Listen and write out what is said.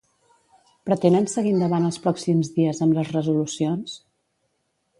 Pretenen seguir endavant els pròxims dies amb les resolucions?